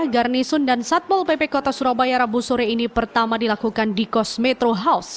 garnisun dan satpol pp kota surabaya rabu sore ini pertama dilakukan di kos metro house